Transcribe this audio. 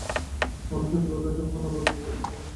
কখনো সচ্ছলতা আসে, কখনো অভাব দেখা দেয়।